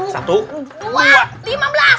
satu dua lima belas